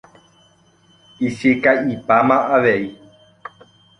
Ichika'ipáma avei.